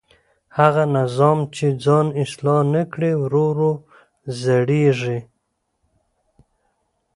هغه نظام چې ځان اصلاح نه کړي ورو ورو زړېږي